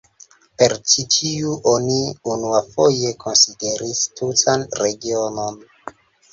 Per ĉi tiu oni unuafoje konsideris tutan regionon.